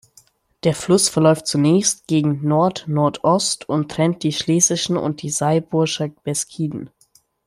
Der Fluss verläuft zunächst gegen Nordnordost und trennt die Schlesischen und die Saybuscher Beskiden.